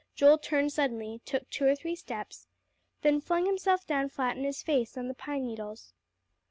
Joel turned suddenly, took two or three steps, then flung himself down flat on his face on the pine needles.